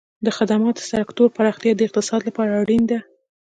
د خدماتو سکتور پراختیا د اقتصاد لپاره اړین دی.